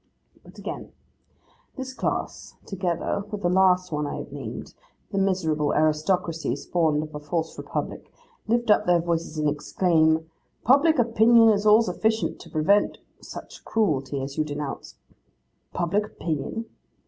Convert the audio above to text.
But again: this class, together with that last one I have named, the miserable aristocracy spawned of a false republic, lift up their voices and exclaim 'Public opinion is all sufficient to prevent such cruelty as you denounce.' Public opinion!